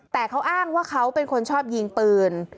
แต่เขาอ้างว่าเขาเป็นคนชอบยิงปืน